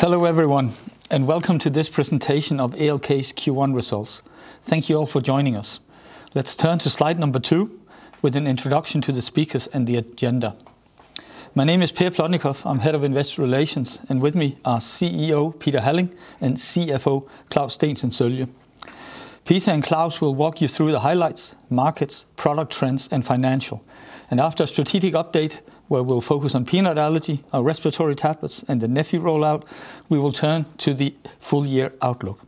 Hello everyone, welcome to this presentation of ALK's Q1 results. Thank you all for joining us. Let's turn to slide number two with an introduction to the speakers and the agenda. My name is Per Plotnikof. I'm Head of Investor Relations, and with me are CEO Peter Halling and CFO Claus Steensen Sølje. Peter and Claus will walk you through the highlights, markets, product trends, and financial. After a strategic update where we'll focus on peanut allergy, our respiratory tablets, and the neffy rollout, we will turn to the full year outlook.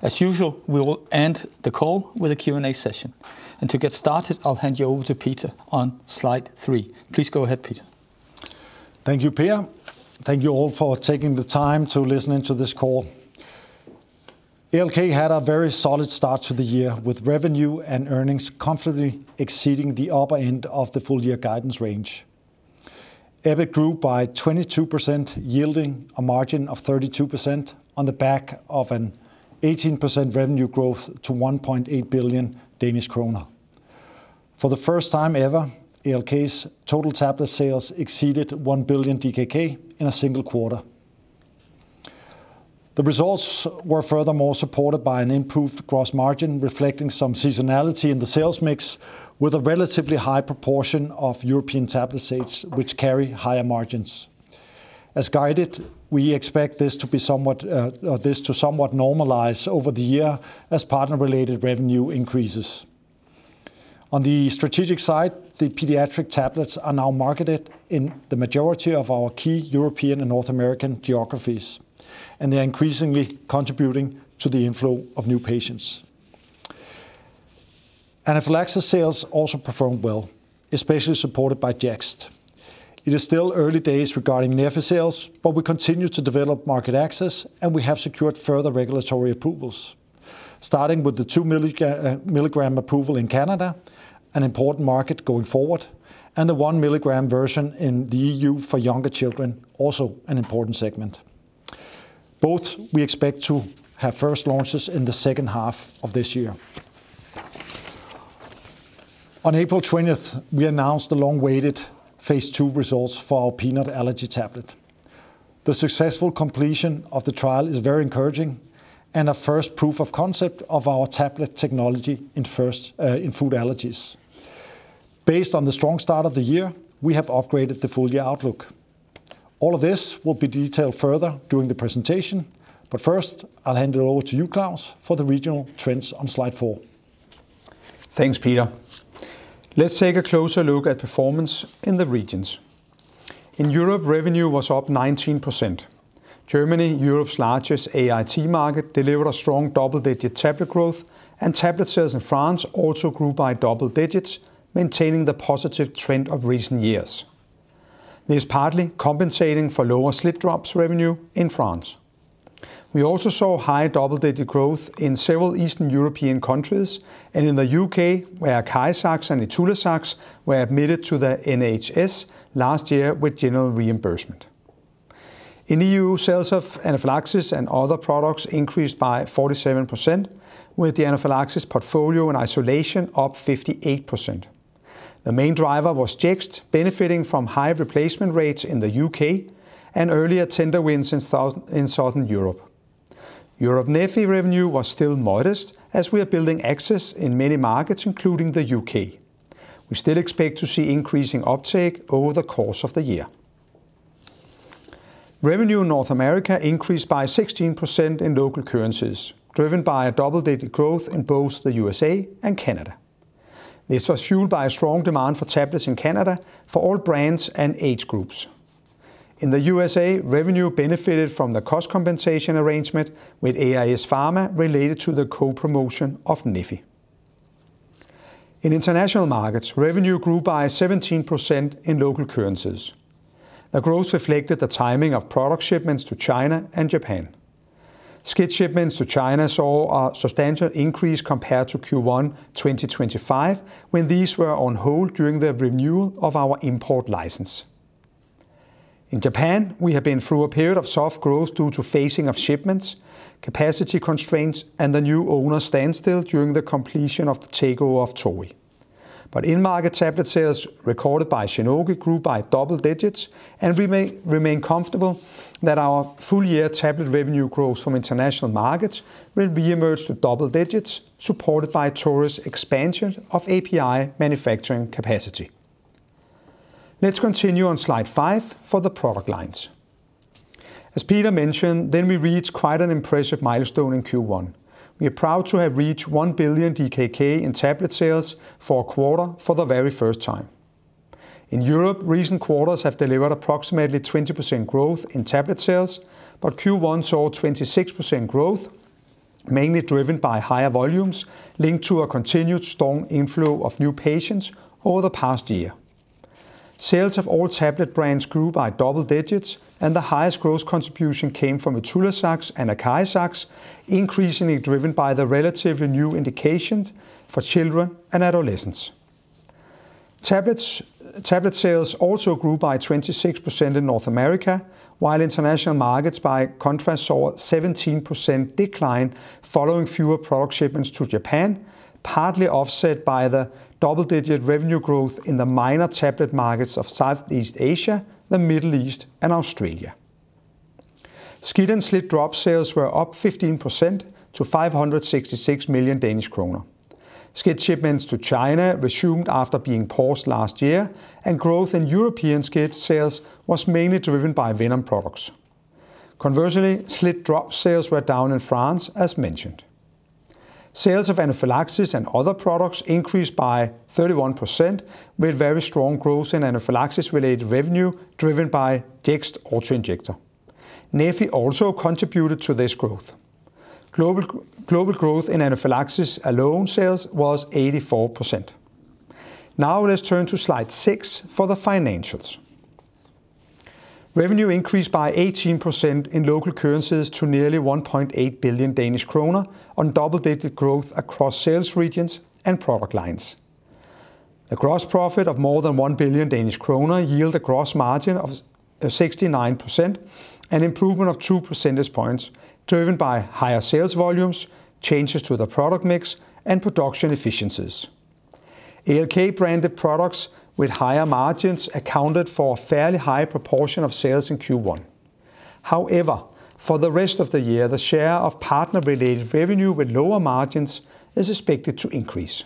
As usual, we will end the call with a Q&A session. To get started, I'll hand you over to Peter on slide three. Please go ahead, Peter. Thank you, Per. Thank you all for taking the time to listen in to this call. ALK had a very solid start to the year with revenue and earnings comfortably exceeding the upper end of the full year guidance range. EBIT grew by 22%, yielding a margin of 32% on the back of an 18% revenue growth to 1.8 billion Danish kroner. For the first time ever, ALK's total tablet sales exceeded 1 billion DKK in a single quarter. The results were furthermore supported by an improved gross margin, reflecting some seasonality in the sales mix with a relatively high proportion of European tablet sales, which carry higher margins. As guided, we expect this to somewhat normalize over the year as partner-related revenue increases. On the strategic side, the pediatric tablets are now marketed in the majority of our key European and North American geographies, and they are increasingly contributing to the inflow of new patients. Anaphylaxis sales also performed well, especially supported by JEXT. It is still early days regarding neffy sales, but we continue to develop market access, and we have secured further regulatory approvals. Starting with the 2 mg approval in Canada, an important market going forward, and the 1 mg version in the EU for younger children, also an important segment. Both we expect to have first launches in the second half of this year. On April 20th, we announced the long-waited phase II results for our peanut allergy tablet. The successful completion of the trial is very encouraging and a first proof of concept of our tablet technology in food allergies. Based on the strong start of the year, we have upgraded the full year outlook. First, I'll hand it over to you, Claus, for the regional trends on slide four. Thanks, Peter. Let's take a closer look at performance in the regions. In Europe, revenue was up 19%. Germany, Europe's largest AIT market, delivered a strong double-digit tablet growth, and tablet sales in France also grew by double digits, maintaining the positive trend of recent years. This partly compensating for lower SLIT-drops revenue in France. We also saw high double-digit growth in several Eastern European countries, and in the U.K., where ACARIZAX and ITULAZAX were admitted to the NHS last year with general reimbursement. In EU, sales of anaphylaxis and other products increased by 47%, with the anaphylaxis portfolio in isolation up 58%. The main driver was JEXT, benefiting from high replacement rates in the U.K. and earlier tender wins in Southern Europe. EURneffy revenue was still modest, as we are building access in many markets, including the U.K. We still expect to see increasing uptake over the course of the year. Revenue in North America increased by 16% in local currencies, driven by a double-digit growth in both the USA and Canada. This was fueled by a strong demand for tablets in Canada for all brands and age groups. In the USA, revenue benefited from the cost compensation arrangement with ARS Pharma related to the co-promotion of neffy. In international markets, revenue grew by 17% in local currencies. The growth reflected the timing of product shipments to China and Japan. SCIT shipments to China saw a substantial increase compared to Q1 2025, when these were on hold during the renewal of our import license. In Japan, we have been through a period of soft growth due to phasing of shipments, capacity constraints, and the new owner standstill during the completion of the takeover of Torii. In-market tablet sales recorded by Shionogi grew by double digits, and we may remain comfortable that our full-year tablet revenue growth from international markets will reemerge to double digits, supported by Torii's expansion of API manufacturing capacity. Let's continue on slide five for the product lines. As Peter mentioned, we reached quite an impressive milestone in Q1. We are proud to have reached 1 billion DKK in tablet sales for a quarter for the very first time. In Europe, recent quarters have delivered approximately 20% growth in tablet sales, but Q1 saw 26% growth, mainly driven by higher volumes linked to a continued strong inflow of new patients over the past year. Sales of all tablet brands grew by double digits, and the highest growth contribution came from ITULAZAX and ACARIZAX, increasingly driven by the relatively new indications for children and adolescents. Tablet sales also grew by 26% in North America, while international markets by contrast saw a 17% decline following fewer product shipments to Japan, partly offset by the double-digit revenue growth in the minor tablet markets of Southeast Asia, the Middle East, and Australia. SCIT and SLIT-drops sales were up 15% to 566 million Danish kroner. SCIT shipments to China resumed after being paused last year, and growth in European SCIT sales was mainly driven by venom products. Conversely, SLIT-drop sales were down in France as mentioned. Sales of anaphylaxis and other products increased by 31% with very strong growth in anaphylaxis-related revenue driven by JEXT auto-injector. neffy also contributed to this growth. Global growth in anaphylaxis alone sales was 84%. Let's turn to slide six for the financials. Revenue increased by 18% in local currencies to nearly 1.8 billion Danish kroner on double-digit growth across sales regions and product lines. The gross profit of more than 1 billion Danish kroner yield a gross margin of 69%, an improvement of 2 percentage points driven by higher sales volumes, changes to the product mix, and production efficiencies. ALK branded products with higher margins accounted for a fairly high proportion of sales in Q1. However, for the rest of the year, the share of partner-related revenue with lower margins is expected to increase.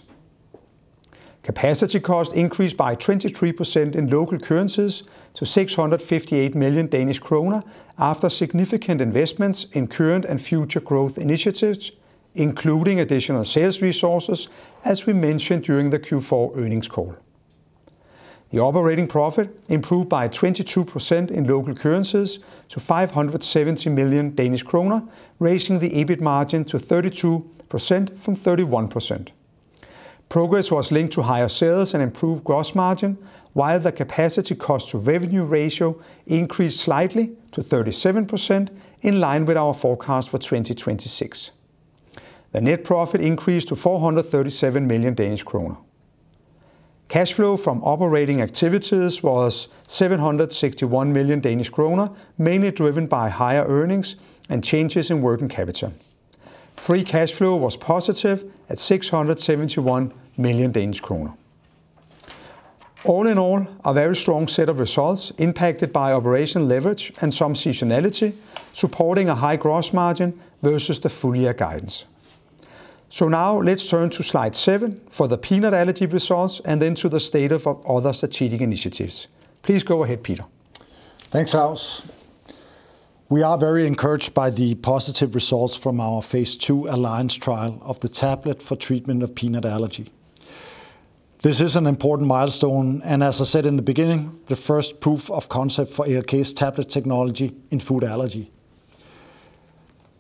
Capacity cost increased by 23% in local currencies to 658 million Danish kroner after significant investments in current and future growth initiatives, including additional sales resources, as we mentioned during the Q4 earnings call. The operating profit improved by 22% in local currencies to 570 million Danish kroner, raising the EBIT margin to 32% from 31%. Progress was linked to higher sales and improved gross margin, while the capacity cost to revenue ratio increased slightly to 37% in line with our forecast for 2026. The net profit increased to 437 million Danish kroner. Cash flow from operating activities was 761 million Danish kroner, mainly driven by higher earnings and changes in working capital. Free cash flow was positive at 671 million Danish kroner. All in all, a very strong set of results impacted by operational leverage and some seasonality, supporting a high gross margin versus the full-year guidance. Now let's turn to slide seven for the peanut allergy results and then to the state of our other strategic initiatives. Please go ahead, Peter. Thanks, Claus. We are very encouraged by the positive results from our phase II ALLIANCE trial of the tablet for treatment of peanut allergy. This is an important milestone, and as I said in the beginning, the first proof of concept for ALK's tablet technology in food allergy.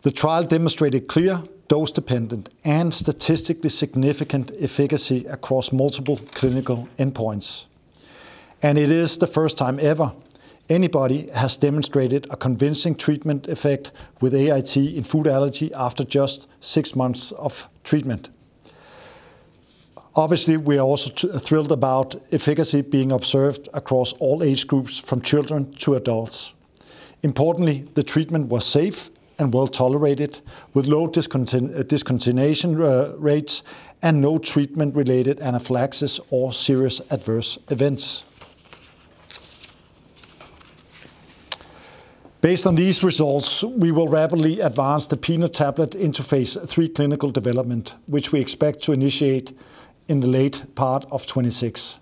The trial demonstrated clear dose-dependent and statistically significant efficacy across multiple clinical endpoints, and it is the first time ever anybody has demonstrated a convincing treatment effect with AIT in food allergy after just six months of treatment. Obviously, we are also thrilled about efficacy being observed across all age groups from children to adults. Importantly, the treatment was safe and well-tolerated with low discontinuation rates and no treatment-related anaphylaxis or serious adverse events. Based on these results, we will rapidly advance the peanut tablet into phase III clinical development, which we expect to initiate in the late part of 2026,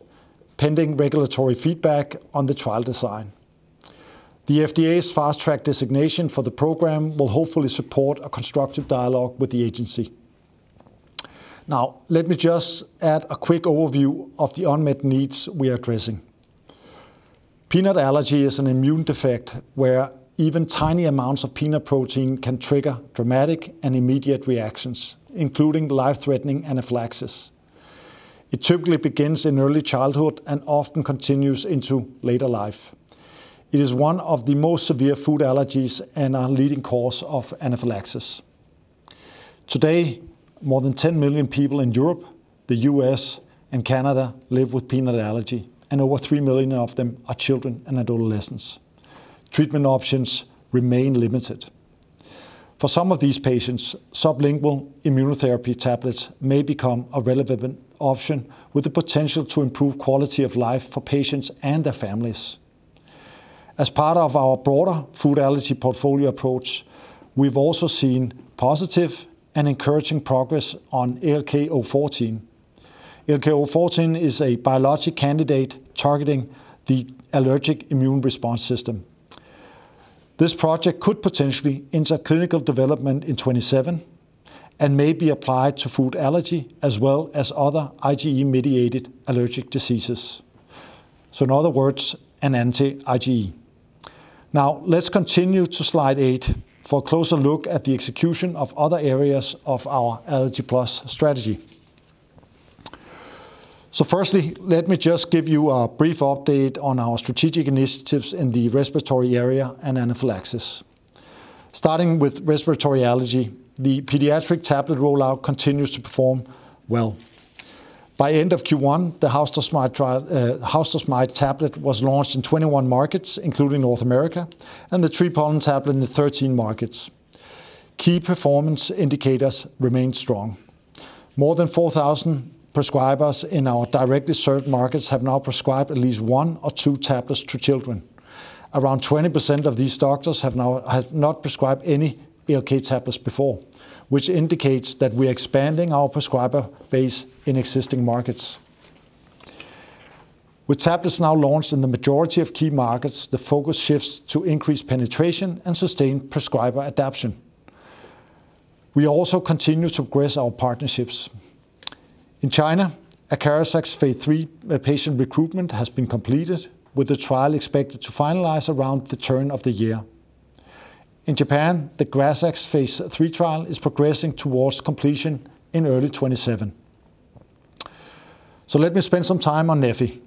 pending regulatory feedback on the trial design. The FDA's Fast Track designation for the program will hopefully support a constructive dialogue with the agency. Let me just add a quick overview of the unmet needs we are addressing. Peanut allergy is an immune defect where even tiny amounts of peanut protein can trigger dramatic and immediate reactions, including life-threatening anaphylaxis. It typically begins in early childhood and often continues into later life. It is one of the most severe food allergies and a leading cause of anaphylaxis. Today, more than 10 million people in Europe, the U.S., and Canada live with peanut allergy, and over 3 million of them are children and adolescents. Treatment options remain limited. For some of these patients, sublingual immunotherapy tablets may become a relevant option with the potential to improve quality of life for patients and their families. As part of our broader food allergy portfolio approach, we've also seen positive and encouraging progress on ALK-014. ALK-014 is a biologic candidate targeting the allergic immune response system. This project could potentially enter clinical development in 2027 and may be applied to food allergy as well as other IgE-mediated allergic diseases. In other words, an anti-IgE. Now let's continue to slide eight for a closer look at the execution of other areas of our Allergy+ strategy. Firstly, let me just give you a brief update on our strategic initiatives in the respiratory area and anaphylaxis. Starting with respiratory allergy, the pediatric tablet rollout continues to perform well. By end of Q1, the house dust mite tablet was launched in 21 markets, including North America, and the tree pollen tablet in 13 markets. Key performance indicators remain strong. More than 4,000 prescribers in our directly served markets have now prescribed at least one or two tablets to children. Around 20% of these doctors have not prescribed any ALK tablets before, which indicates that we're expanding our prescriber base in existing markets. With tablets now launched in the majority of key markets, the focus shifts to increased penetration and sustained prescriber adaption. We also continue to progress our partnerships. In China, ACARIZAX phase III patient recruitment has been completed, with the trial expected to finalize around the turn of the year. In Japan, the GRAZAX phase III trial is progressing towards completion in early 2027. Let me spend some time on neffy.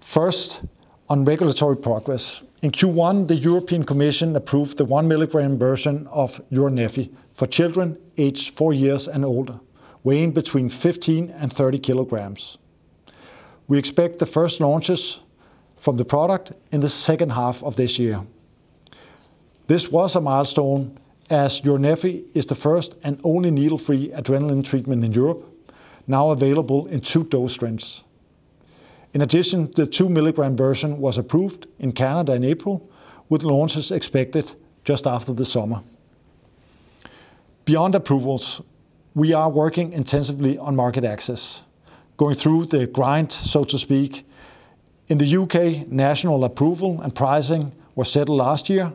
First, on regulatory progress. In Q1, the European Commission approved the 1 mg version of EURneffy for children aged four years and older, weighing between 15 kg and 30 kg. We expect the first launches from the product in the second half of this year. This was a milestone as EURneffy is the first and only needle-free adrenaline treatment in Europe, now available in two dose strengths. In addition, the 2 mg version was approved in Canada in April, with launches expected just after the summer. Beyond approvals, we are working intensively on market access, going through the grind, so to speak. In the U.K., national approval and pricing was settled last year,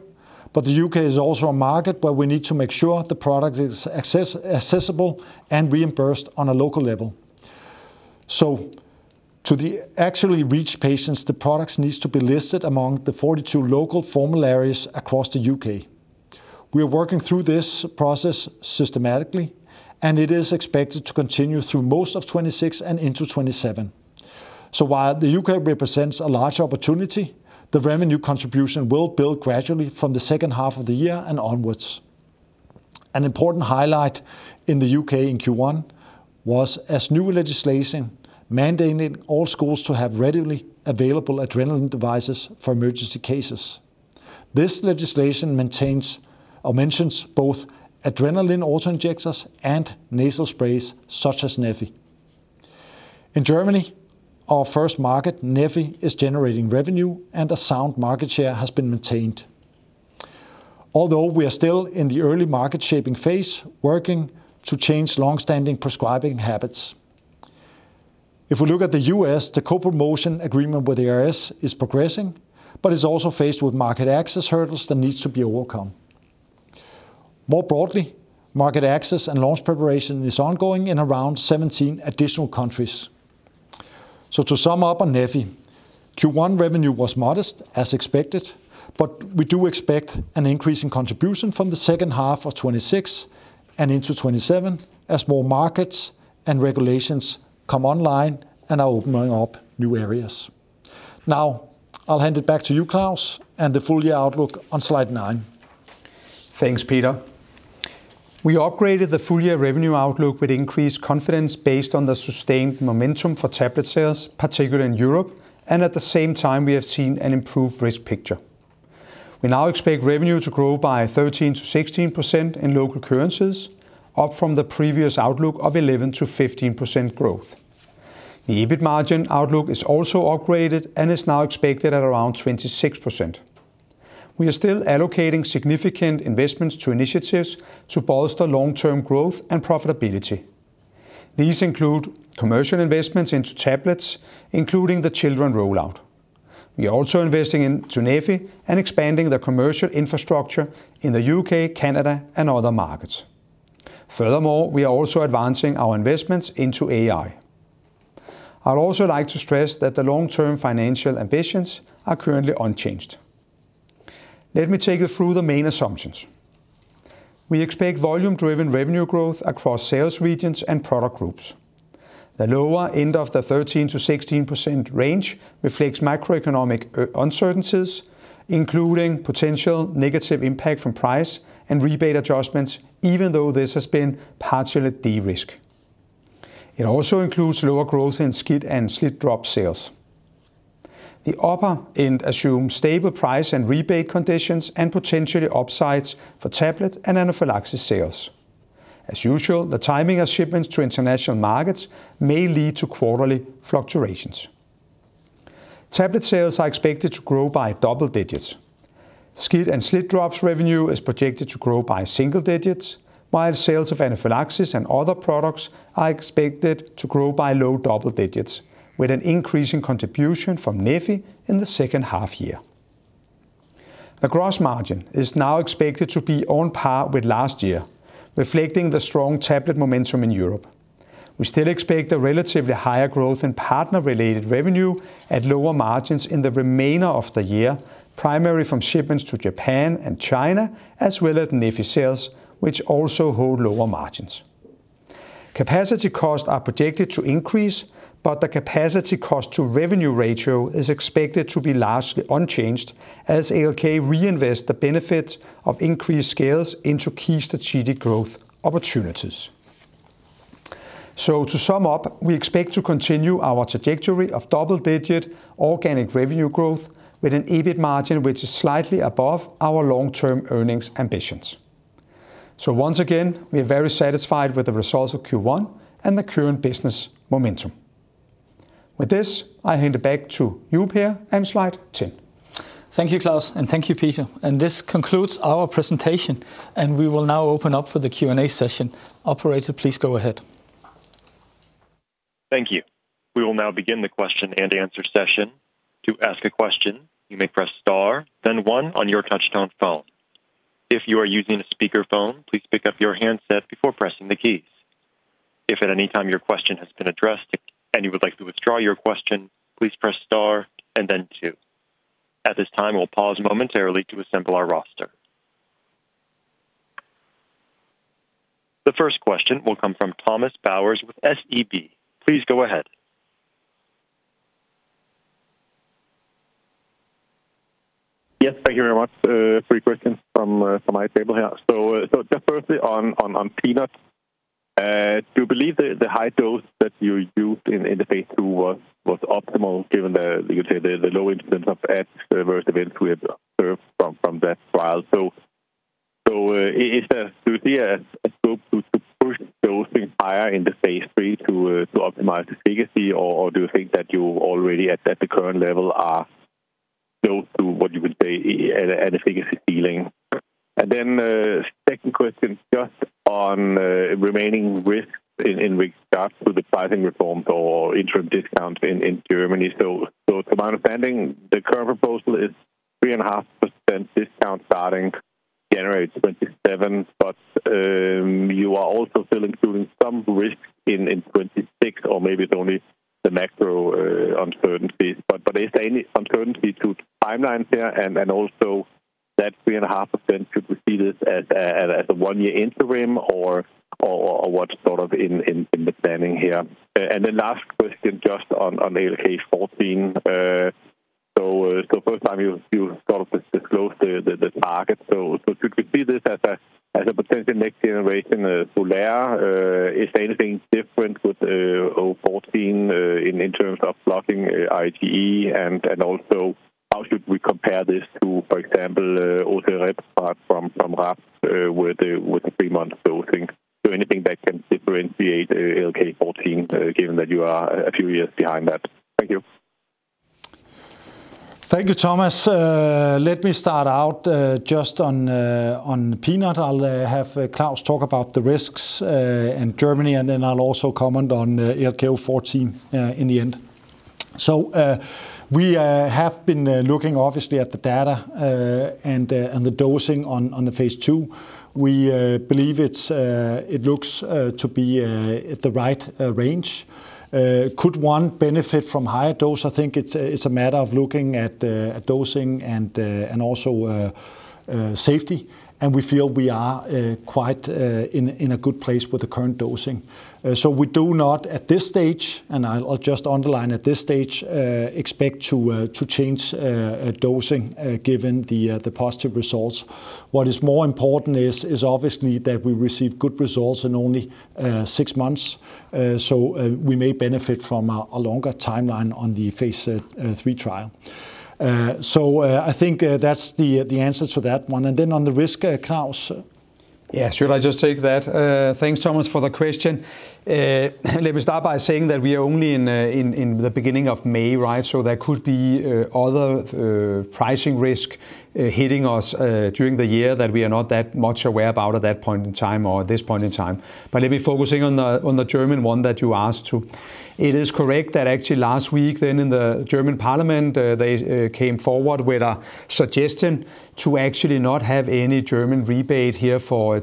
but the U.K. is also a market where we need to make sure the product is accessible and reimbursed on a local level. To actually reach patients, the products needs to be listed among the 42 local formularies across the U.K. We are working through this process systematically, it is expected to continue through most of 2026 and into 2027. While the U.K. represents a large opportunity, the revenue contribution will build gradually from the second half of the year and onwards. An important highlight in the U.K. in Q1 was as new legislation mandating all schools to have readily available adrenaline devices for emergency cases. This legislation maintains or mentions both adrenaline auto-injectors and nasal sprays, such as neffy. In Germany, our first market, neffy is generating revenue and a sound market share has been maintained. Although we are still in the early market-shaping phase, working to change long-standing prescribing habits. If we look at the U.S., the co-promotion agreement with the ARS is progressing but is also faced with market access hurdles that need to be overcome. More broadly, market access and launch preparation is ongoing in around 17 additional countries. To sum up on neffy, Q1 revenue was modest, as expected, but we do expect an increase in contribution from the second half of 2026 and into 2027 as more markets and regulations come online and are opening up new areas. I'll hand it back to you, Claus, and the full year outlook on slide nine. Thanks, Peter. We upgraded the full-year revenue outlook with increased confidence based on the sustained momentum for tablet sales, particularly in Europe, and at the same time we have seen an improved risk picture. We now expect revenue to grow by 13%-16% in local currencies, up from the previous outlook of 11%-15% growth. The EBIT margin outlook is also upgraded and is now expected at around 26%. We are still allocating significant investments to initiatives to bolster long-term growth and profitability. These include commercial investments into tablets, including the children rollout. We are also investing into neffy and expanding the commercial infrastructure in the U.K., Canada, and other markets. Furthermore, we are also advancing our investments into AI. I'd also like to stress that the long-term financial ambitions are currently unchanged. Let me take you through the main assumptions. We expect volume-driven revenue growth across sales regions and product groups. The lower end of the 13%-16% range reflects macroeconomic uncertainties, including potential negative impact from price and rebate adjustments, even though this has been partially de-risked. It also includes lower growth in SCIT and SLIT-drops sales. The upper end assumes stable price and rebate conditions and potentially upsides for tablet and anaphylaxis sales. As usual, the timing of shipments to international markets may lead to quarterly fluctuations. Tablet sales are expected to grow by double digits. SCIT and SLIT-drops revenue is projected to grow by single digits, while sales of anaphylaxis and other products are expected to grow by low double digits, with an increase in contribution from neffy in the second half year. The gross margin is now expected to be on par with last year, reflecting the strong tablet momentum in Europe. We still expect a relatively higher growth in partner-related revenue at lower margins in the remainder of the year, primarily from shipments to Japan and China, as well as neffy sales, which also hold lower margins. Capacity costs are projected to increase, but the capacity cost to revenue ratio is expected to be largely unchanged as ALK reinvests the benefit of increased scales into key strategic growth opportunities. To sum up, we expect to continue our trajectory of double-digit organic revenue growth with an EBIT margin which is slightly above our long-term earnings ambitions. Once again, we are very satisfied with the results of Q1 and the current business momentum. With this, I hand it back to you, Per, and slide 10. Thank you, Claus, and thank you, Peter. This concludes our presentation, and we will now open up for the Q&A session. Operator, please go ahead. Thank you. We will now begin the question and answer session. To ask a question, you may press star, then one on your touch-down phone. If you are using a speakerphone, please pick up your handset before pressing the key. If at any time your question has been addressed and you would like to withdraw your question, please press star, and then two. At this time, we'll pause momentarily to assemble our roster. The first question will come from Thomas Bowers with SEB. Please go ahead. Yes, thank you very much. Three questions from my table here. just firstly on peanut. Do you believe the high dose that you used in the phase II was optimal given the, you could say the low incidence of adverse events we have observed from that trial? Do you see a scope to push dosing higher into phase III to optimize efficacy or do you think that you already at the current level are close to what you would say at efficacy ceiling? Second question just on remaining risks in regards to the pricing reforms or interim discounts in Germany. To my understanding, the current proposal is 3.5% discount starting January 2027, you are also still including some risks in 2026 or maybe it's only the macro uncertainties. Is there any uncertainty to timelines here? Also that 3.5%, should we see this as a one-year interim or what's sort of in the planning here? The last question just on ALK-014. First time you've sort of disclosed the target. Should we see this as a potential next generation of Xolair? Is there anything different with ALK-014 in terms of blocking IgE and also how should we compare this to, for example, ozureprubart from RAPT with the three-month dosing? Anything that can differentiate ALK-014 given that you are a few years behind that? Thank you. Thank you, Thomas. Let me start out just on peanut. I'll have Claus talk about the risks in Germany, and then I'll also comment on ALK-014 in the end. We have been looking obviously at the data and the dosing on the phase II. We believe it's it looks to be at the right range. Could one benefit from higher dose? I think it's it's a matter of looking at dosing and also safety. We feel we are quite in a good place with the current dosing. We do not at this stage, and I'll just underline at this stage, expect to change dosing given the positive results. What is more important is obviously that we receive good results in only six months. We may benefit from a longer timeline on the phase III trial. I think that's the answer to that one. On the risk, Claus? Yeah. Should I just take that? Thanks so much for the question. Let me start by saying that we are only in the beginning of May, right? There could be other pricing risk hitting us during the year that we are not that much aware about at that point in time or this point in time. Let me focus on the German one that you asked too. It is correct that actually last week in the German parliament, they came forward with a suggestion to actually not have any German rebate here for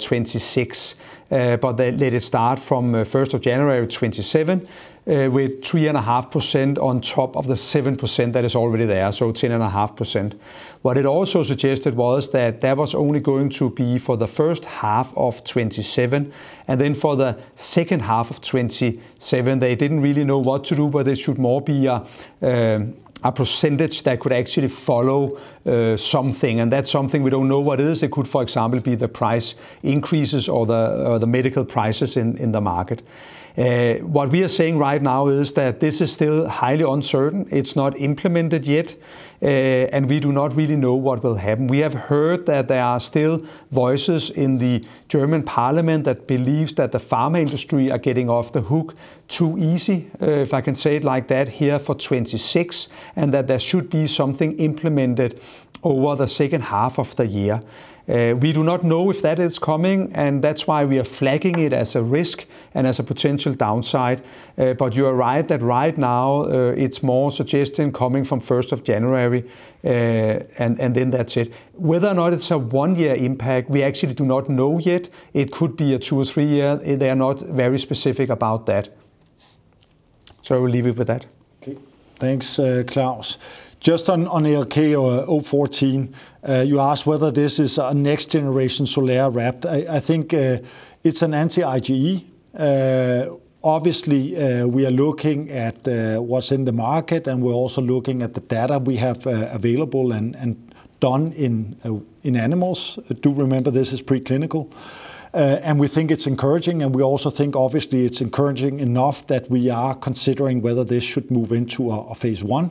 2026. They let it start from 1st of January of 2027, with 3.5% on top of the 7% that is already there, so 10.5%. What it also suggested was that that was only going to be for the first half of 2027, and then for the second half of 2027, they didn't really know what to do, but there should more be a percentage that could actually follow something, and that something we don't know what it is. It could, for example, be the price increases or the, or the medical prices in the market. What we are saying right now is that this is still highly uncertain. It's not implemented yet. We do not really know what will happen. We have heard that there are still voices in the German parliament that believes that the pharma industry are getting off the hook too easy, if I can say it like that, here for 2026, and that there should be something implemented over the second half of the year. We do not know if that is coming, and that's why we are flagging it as a risk and as a potential downside. You are right that right now, it's more suggestion coming from first of January, and then that's it. Whether or not it's a one-year impact, we actually do not know yet. It could be a 2-3 year. They are not very specific about that. I will leave it with that. Okay. Thanks, Claus. Just on ALK-014, you asked whether this is a next generation Xolair. I think it's an anti-IgE. Obviously, we are looking at what's in the market, and we're also looking at the data we have available and done in animals. Do remember this is preclinical. We think it's encouraging, and we also think obviously it's encouraging enough that we are considering whether this should move into a phase I.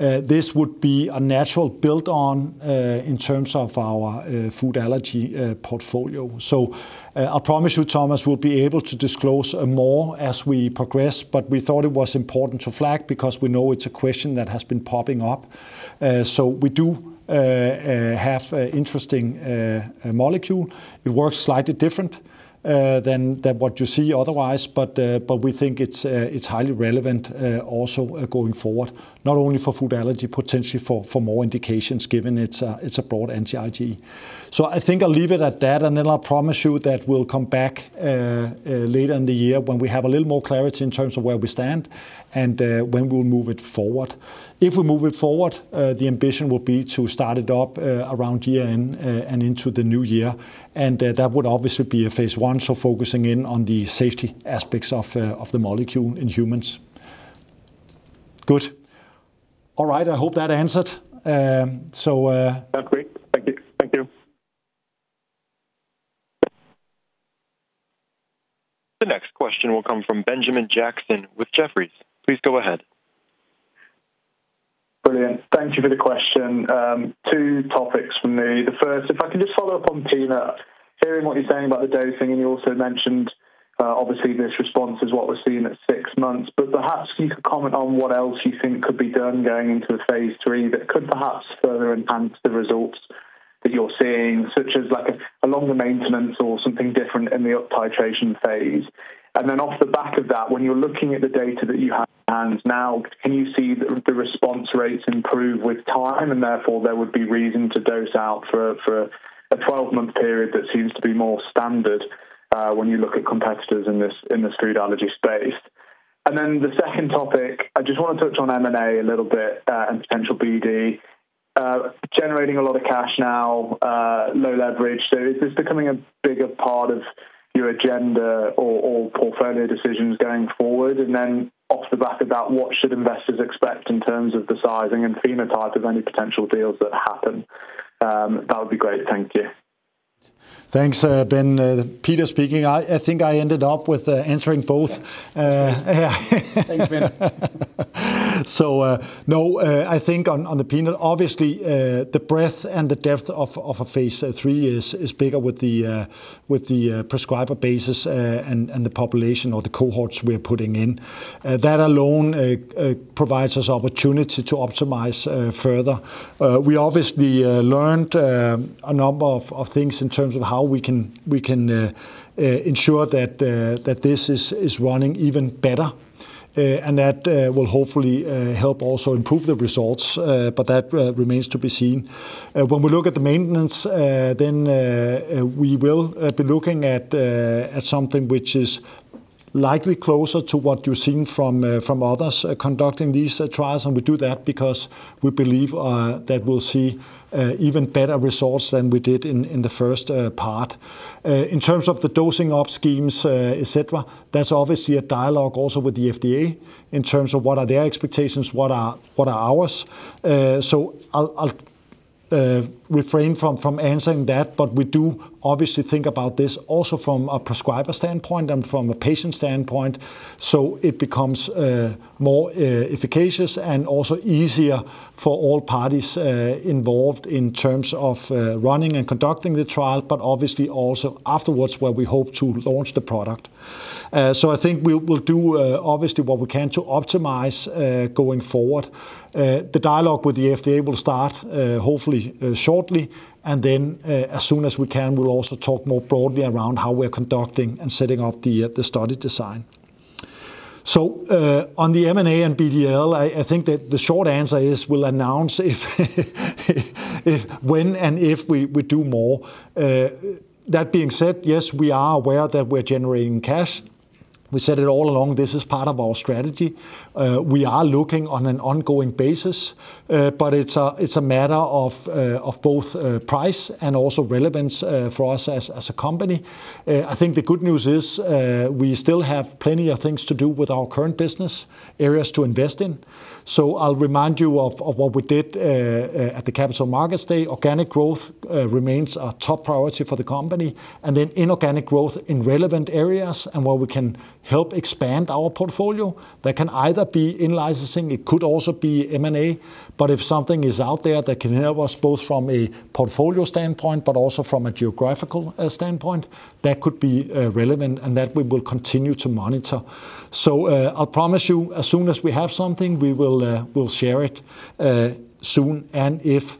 This would be a natural build on in terms of our food allergy portfolio. I promise you, Thomas, we'll be able to disclose more as we progress, but we thought it was important to flag because we know it's a question that has been popping up. We do have interesting a molecule. It works slightly different than what you see otherwise, but we think it's highly relevant also going forward, not only for food allergy, potentially for more indications given it's a broad anti-IgE. I think I'll leave it at that, and then I'll promise you that we'll come back later in the year when we have a little more clarity in terms of where we stand and when we'll move it forward. If we move it forward, the ambition will be to start it up around year-end and into the new year. That would obviously be a phase I, so focusing in on the safety aspects of the molecule in humans. Good. All right, I hope that answered. Um, so, uh- That's great. Thank you. Thank you. The next question will come from Benjamin Jackson with Jefferies. Please go ahead. Brilliant. Thank you for the question. Two topics from me. The first, if I can just follow up on peanut. Hearing what you're saying about the dosing, and you also mentioned, obviously this response is what we're seeing at six months. Perhaps you could comment on what else you think could be done going into a phase III that could perhaps further enhance the results that you're seeing, such as like a longer maintenance or something different in the uptitration phase. Off the back of that, when you're looking at the data that you have in hand now, can you see the response rates improve with time, and therefore there would be reason to dose out for a 12-month period that seems to be more standard, when you look at competitors in this, in this food allergy space? The second topic, I just wanna touch on M&A a little bit, and potential BD. Generating a lot of cash now, low leverage. Is this becoming a bigger part of your agenda or portfolio decisions going forward? Off the back of that, what should investors expect in terms of the sizing and phenotype of any potential deals that happen? That would be great. Thank you. Thanks, Ben. Peter speaking. I think I ended up with answering both. Yeah. Thanks, Ben. No, I think on the peanut, obviously, the breadth and the depth of a phase III is bigger with the, with the prescriber basis, and the population or the cohorts we're putting in. That alone provides us opportunity to optimize further. We obviously learned a number of things in terms of how we can, we can ensure that this is running even better. And that will hopefully help also improve the results, but that remains to be seen. When we look at the maintenance, then we will be looking at something which is likely closer to what you're seeing from others conducting these trials. We do that because we believe that we'll see even better results than we did in the first part. In terms of the dosing up schemes, et cetera, that's obviously a dialogue also with the FDA in terms of what are their expectations, what are ours. I'll refrain from answering that, but we do obviously think about this also from a prescriber standpoint and from a patient standpoint, so it becomes more efficacious and also easier for all parties involved in terms of running and conducting the trial, but obviously also afterwards where we hope to launch the product. I think we'll do obviously what we can to optimize going forward. The dialogue with the FDA will start hopefully shortly. Then, as soon as we can, we'll also talk more broadly around how we're conducting and setting up the study design. On the M&A and BD&L, I think that the short answer is we'll announce if, when and if we do more. That being said, yes, we are aware that we're generating cash. We said it all along, this is part of our strategy. We are looking on an ongoing basis, but it's a matter of both price and also relevance for us as a company. I think the good news is, we still have plenty of things to do with our current business, areas to invest in. I'll remind you of what we did at the Capital Markets Day. Organic growth remains a top priority for the company. Inorganic growth in relevant areas and where we can help expand our portfolio. That can either be in-licensing, it could also be M&A. If something is out there that can help us both from a portfolio standpoint but also from a geographical standpoint, that could be relevant and that we will continue to monitor. I'll promise you as soon as we have something, we will, we'll share it soon and if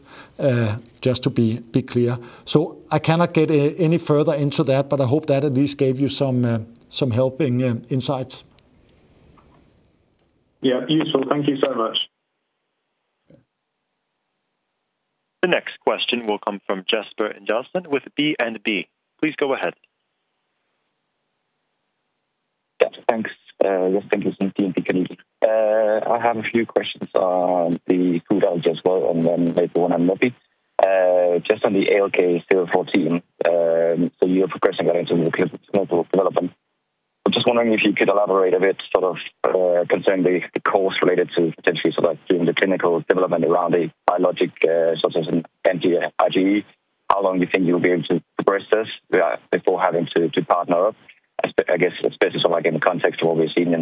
just to be clear. I cannot get any further into that, but I hope that at least gave you some helping insights. Yeah, useful. Thank you so much. The next question will come from Jesper Ingildsen with DNB. Please go ahead. Yeah, thanks. Yes, thank you. I have a few questions on the food allergy as well, then maybe one on neffy. Just on the ALK-014, you're progressing that into more clinical development. I'm just wondering if you could elaborate a bit sort of, concerning the course related to potentially sort of doing the clinical development around the biologic, such as an anti-IgE. How long you think you'll be able to progress this before having to partner up? I guess especially sort of like in the context of what we've seen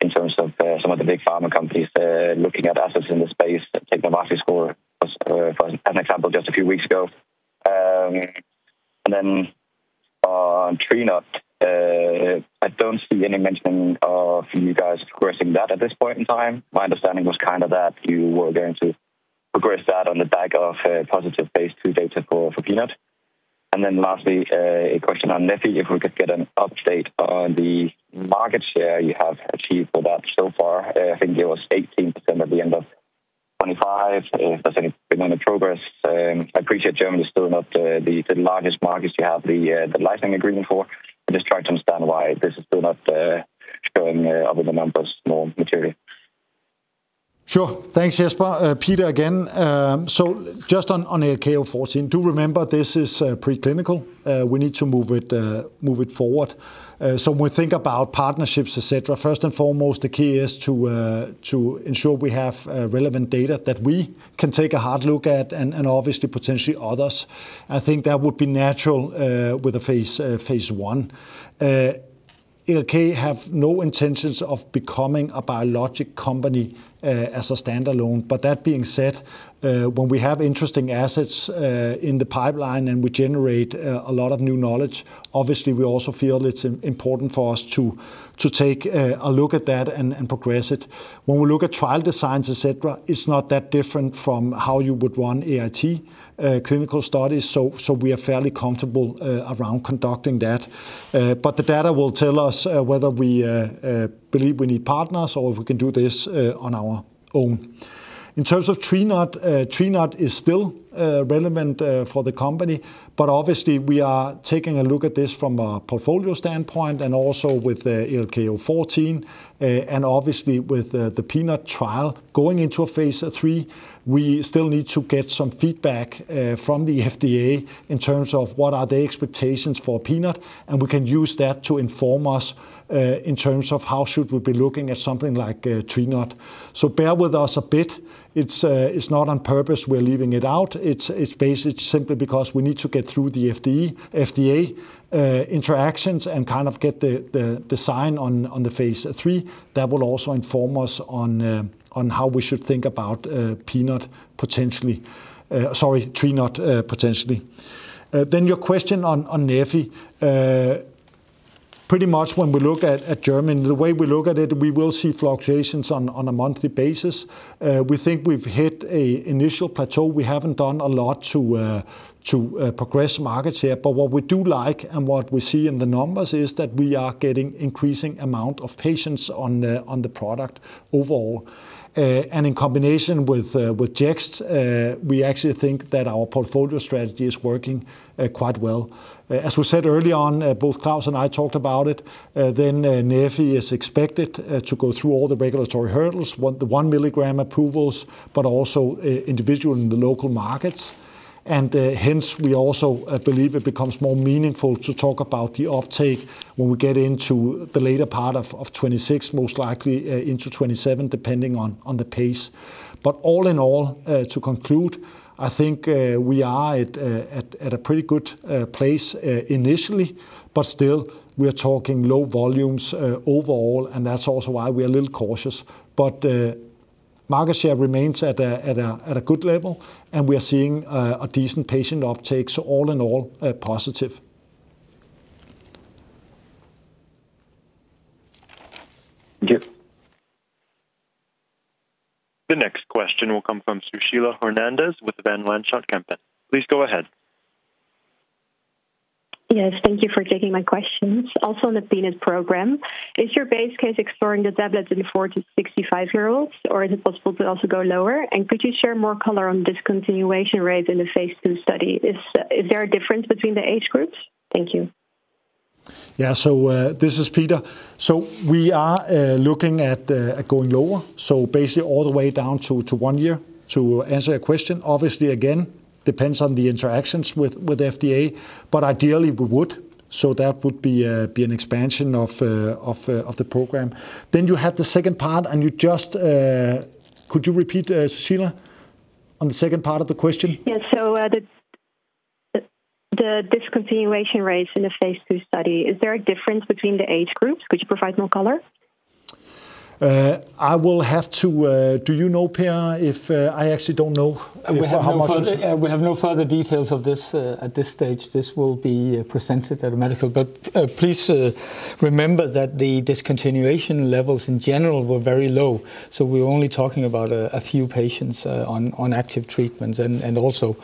in terms of some of the big pharma companies looking at assets in the space, [Technovasi score], for an example just a few weeks ago. Then on tree nut, I don't see any mentioning of you guys progressing that at this point in time. My understanding was kind of that you were going to progress that on the back of a positive phase II data for peanut. Then lastly, a question on neffy, if we could get an update on the market share you have achieved with that so far. I think it was 18% at the end of 2025. If there's any been any progress. I appreciate Germany is still not the largest market you have the licensing agreement for. I'm just trying to understand why this is still not showing other numbers more material. Sure. Thanks, Jesper. Peter again. Just on ALK-014, do remember this is preclinical. We need to move it, move it forward. When we think about partnerships, et cetera, first and foremost, the key is to ensure we have relevant data that we can take a hard look at and obviously potentially others. I think that would be natural with a phase I. ALK have no intentions of becoming a biologic company as a standalone. That being said, when we have interesting assets in the pipeline and we generate a lot of new knowledge, obviously we also feel it's important for us to take a look at that and progress it. When we look at trial designs, et cetera, it's not that different from how you would run AIT clinical studies, so we are fairly comfortable around conducting that. The data will tell us whether we believe we need partners or if we can do this on our own. In terms of tree nut is still relevant for the company, obviously we are taking a look at this from a portfolio standpoint and also with the ALK-014, obviously with the peanut trial going into a phase III, we still need to get some feedback from the FDA in terms of what are the expectations for peanut, we can use that to inform us in terms of how should we be looking at something like tree nut. Bear with us a bit. It's, it's not on purpose, we're leaving it out. It's, it's simply because we need to get through the FDA interactions and kind of get the design on the phase III. That will also inform us on how we should think about peanut potentially, sorry, tree nut potentially. Your question on neffy. Pretty much when we look at Germany, the way we look at it, we will see fluctuations on a monthly basis. We think we've hit a initial plateau. We haven't done a lot to progress market share. What we do like and what we see in the numbers is that we are getting increasing amount of patients on the product overall. In combination with JEXT, we actually think that our portfolio strategy is working quite well. As we said early on, both Claus and I talked about it, then neffy is expected to go through all the regulatory hurdles, the 1 mg approvals, but also individual in the local markets. Hence, we also believe it becomes more meaningful to talk about the uptake when we get into the later part of 2026, most likely into 2027, depending on the pace. All in all, to conclude, I think we are at a pretty good place initially, but still we are talking low volumes overall, and that's also why we are a little cautious. Market share remains at a good level, and we are seeing a decent patient uptake. All in all, positive. Thank you. The next question will come from Sushila Hernandez with Van Lanschot Kempen. Please go ahead. Yes, thank you for taking my questions. On the peanut program, is your base case exploring the tablets in 4-65 year-olds, or is it possible to also go lower? Could you share more color on discontinuation rates in the phase II study? Is there a difference between the age groups? Thank you. Yeah. This is Peter. We are looking at going lower, basically all the way down to one year, to answer your question. Obviously again, depends on the interactions with FDA, but ideally we would. That would be an expansion of the program. You had the second part and you just. Could you repeat, Sushila, on the second part of the question? Yeah. The discontinuation rates in the phase II study, is there a difference between the age groups? Could you provide more color? Do you know, Per, if I actually don't know. We have no further details of this at this stage. This will be presented at a medical. Please remember that the discontinuation levels in general were very low, so we're only talking about a few patients on active treatment and also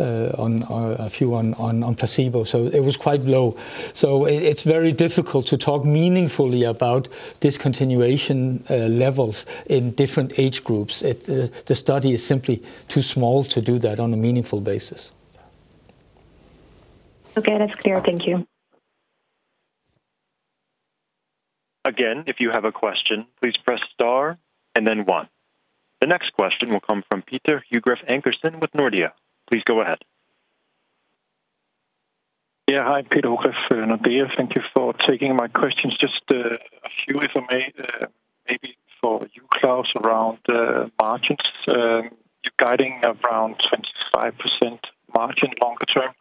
a few on placebo. It was quite low. It's very difficult to talk meaningfully about discontinuation levels in different age groups. The study is simply too small to do that on a meaningful basis. Okay, that's clear. Thank you. Again, if you have a question, please press star and then one. The next question will come from Peter August Anker with Nordea. Please go ahead. Yeah, hi, Peter August, Nordea. Thank you for taking my questions. Just a few if I may, maybe for you, Claus, around margins. You're guiding around 25% margin longer term,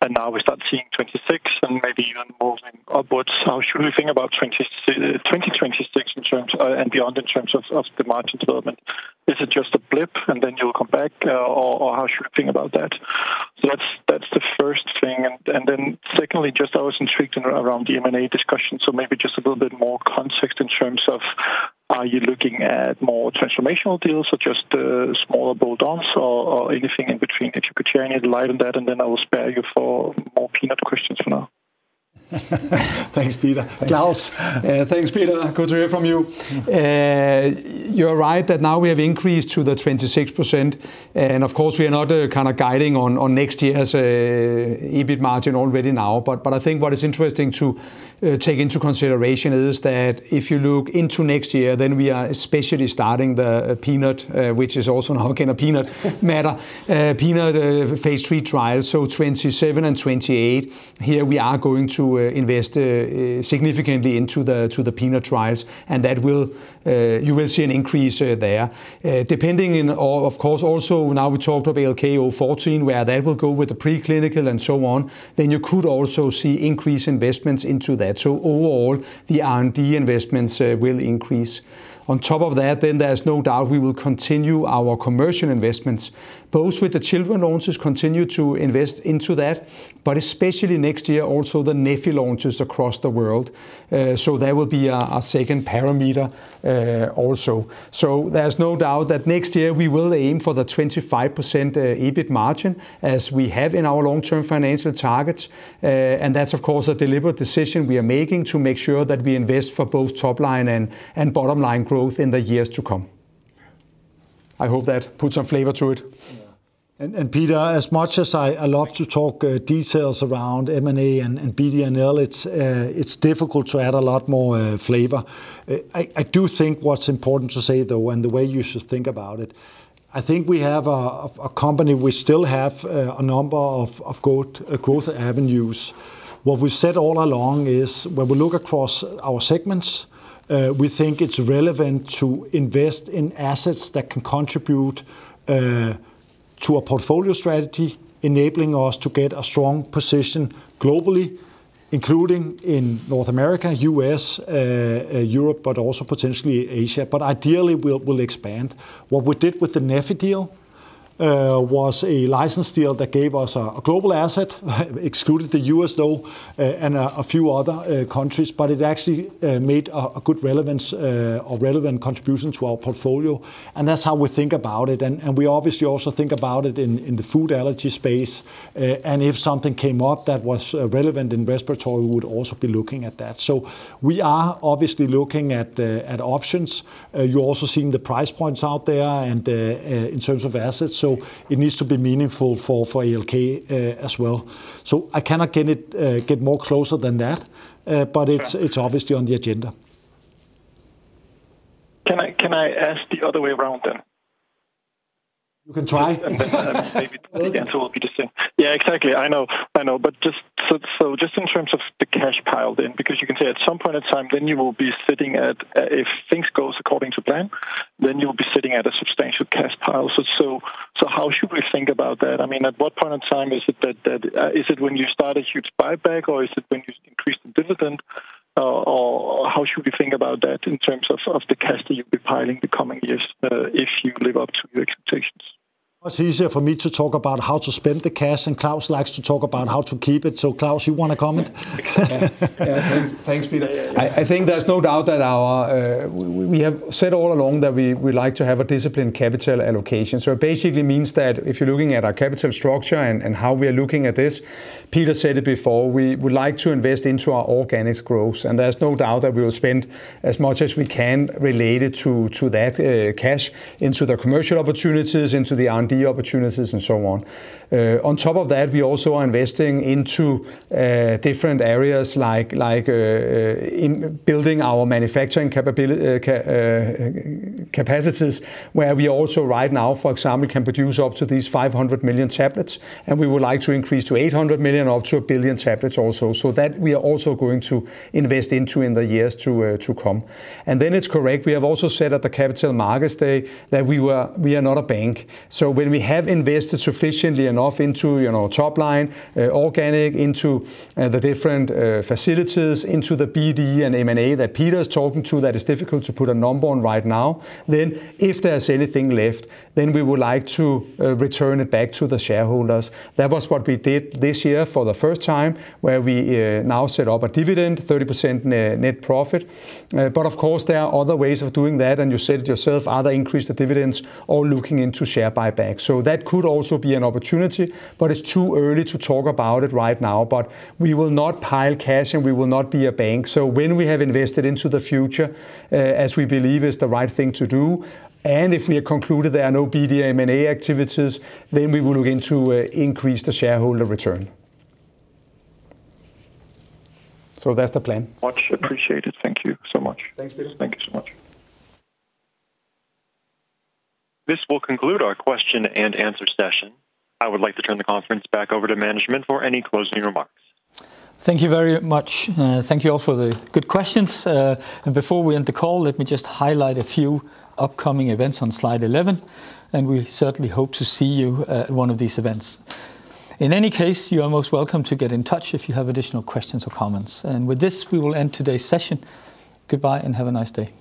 and now we start seeing 26% and maybe even moving upwards. How should we think about 2026 in terms and beyond in terms of the margin development? Is it just a blip and then you'll come back, or how should we think about that? That's the first thing. Secondly, just I was intrigued around the M&A discussion, so maybe just a little bit more context in terms of are you looking at more transformational deals or just smaller build offs or anything in between? If you could share any light on that, and then I will spare you for more peanut questions for now. Thanks, Peter. Claus? Thanks, Peter. Good to hear from you. You are right that now we have increased to the 26%. Of course, we are not kind of guiding on next year's EBIT margin already now. I think what is interesting to take into consideration is that if you look into next year, we are especially starting the peanut, which is also now peanut phase III trial, so 2027 and 2028. Here we are going to invest significantly into the, to the peanut trials, and that will, you will see an increase there. Depending in all of course also now we talked of ALK-014, where that will go with the preclinical and so on, you could also see increased investments into that. Overall, the R&D investments will increase. On top of that, then there's no doubt we will continue our commercial investments. Both with the children launches continue to invest into that, but especially next year also the neffy launches across the world. That will be our second parameter also. There's no doubt that next year we will aim for the 25% EBIT margin as we have in our long-term financial targets. That's of course a deliberate decision we are making to make sure that we invest for both top line and bottom line growth in the years to come. I hope that put some flavor to it. Yeah. Peter, as much as I love to talk details around M&A and BD&L, it's difficult to add a lot more flavor. I do think what's important to say though, the way you should think about it, I think we have a company, we still have a number of growth avenues. What we've said all along is when we look across our segments, we think it's relevant to invest in assets that can contribute to a portfolio strategy enabling us to get a strong position globally, including in North America, U.S., Europe, potentially Asia. Ideally, we'll expand. What we did with the neffy deal was a license deal that gave us a global asset, excluded the U.S. though, and a few other countries, but it actually made a good relevance, or relevant contribution to our portfolio, and that's how we think about it. We obviously also think about it in the food allergy space. If something came up that was relevant in respiratory, we would also be looking at that. We are obviously looking at options. You're also seeing the price points out there and in terms of assets, so it needs to be meaningful for ALK as well. I cannot get more closer than that. Yeah. It's obviously on the agenda. Can I ask the other way around then? You can try. Maybe the answer will be the same. Yeah, exactly. I know. I know. In terms of the cash pile then, because you can say at some point in time, then you will be sitting at, if things goes according to plan, then you'll be sitting at a substantial cash pile. How should we think about that? I mean, at what point in time is it when you start a huge buyback, or is it when you increase the dividend, or how should we think about that in terms of the cash that you'll be piling the coming years, if you live up to your expectations? It's easier for me to talk about how to spend the cash, and Claus likes to talk about how to keep it. Claus, you want to comment? Thanks. Thanks, Peter. I think there's no doubt that our... We have said all along that we like to have a disciplined capital allocation. It basically means that if you are looking at our capital structure and how we are looking at this, Peter said it before, we would like to invest into our organic growth. There's no doubt that we will spend as much as we can related to that cash into the commercial opportunities, into the R&D opportunities and so on. On top of that, we also are investing into different areas like in building our manufacturing capacities, where we also right now, for example, can produce up to these 500 million tablets, and we would like to increase to 800 million, up to 1 billion tablets also. That we are also going to invest into in the years to come. It's correct, we have also said at the Capital Markets Day that we are not a bank. When we have invested sufficiently enough into, you know, top line, organic, into the different facilities, into the BD&L and M&A that Peter is talking to that is difficult to put a number on right now, then if there's anything left, then we would like to return it back to the shareholders. That was what we did this year for the first time, where we now set up a dividend, 30% net profit. Of course, there are other ways of doing that, and you said it yourself, either increase the dividends or looking into share buyback. That could also be an opportunity, but it's too early to talk about it right now. But we will not pile cash, and we will not be a bank. When we have invested into the future, as we believe is the right thing to do, and if we have concluded there are no BD M&A activities, then we will look into increase the shareholder return. That's the plan. Much appreciated. Thank you so much. Thanks, Peter. Thank you so much. This will conclude our question and answer session. I would like to turn the conference back over to management for any closing remarks. Thank you very much. Thank you all for the good questions. Before we end the call, let me just highlight a few upcoming events on slide 11, and we certainly hope to see you at one of these events. In any case, you are most welcome to get in touch if you have additional questions or comments. With this, we will end today's session. Goodbye, and have a nice day.